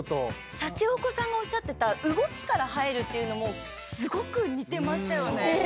シャチホコさんがおっしゃってた動きから入るっていうのもすごく似てましたよね。